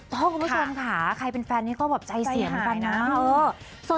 ถูกค่ะใครเป็นแฟนนี้ก็ใจเสียงกันนะ